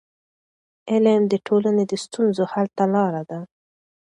علم د ټولنې د ستونزو حل ته لار ده.